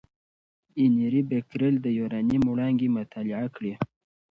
انري بکرېل د یورانیم وړانګې مطالعه کړې.